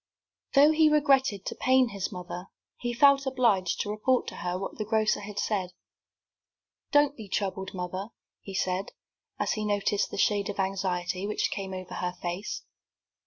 Though he regretted to pain his mother, he felt obliged to report to her what the grocer had said. "Don't be troubled, mother," he said, as he noticed the shade of anxiety which came over her face.